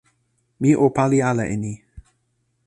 mi o pali ala e ni.